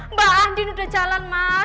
mbak andin udah jalan mas